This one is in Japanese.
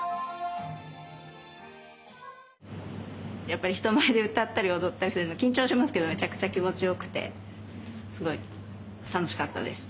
やっぱり人前で歌ったり踊ったりすると緊張しますけどめちゃくちゃ気持ち良くてすごい楽しかったです。